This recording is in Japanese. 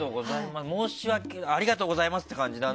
ありがとうございますって感じだね。